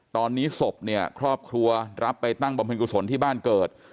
ตอนนี้ศพเนี่ยครอบครัวรับไปตั้งบำเพ็ญกุศลที่บ้านเกิด